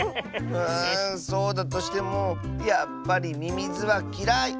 うんそうだとしてもやっぱりミミズはきらい！